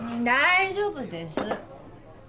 大丈夫です。